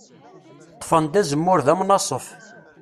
Ṭṭfen-d azemmur d amnaṣef.